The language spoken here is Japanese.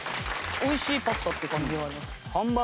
美味しいパスタって感じがあります。